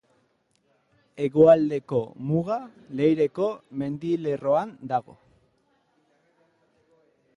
Hegoaldeko muga Leireko mendilerroan dago.